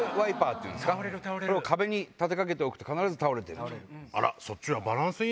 壁に立てかけておくと必ず倒れてる。